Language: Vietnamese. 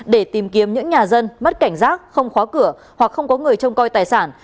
để tìm kiếm những nhà dân mất cảnh giác không khóa cửa hoặc không có người trông coi tài sản